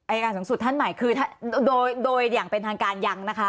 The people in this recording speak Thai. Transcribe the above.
อายการสูงสุดท่านใหม่คือโดยอย่างเป็นทางการยังนะคะ